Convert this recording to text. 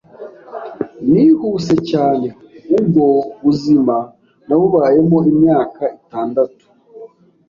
Nihuse cyane, ubwo buzima nabubayemo imyaka itandatu